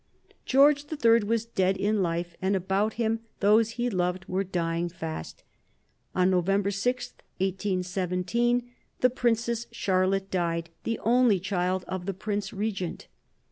George the Third was dead in life, and about him those he loved were dying fast. On November 6, 1817, the Princess Charlotte died, the only child of the Prince Regent.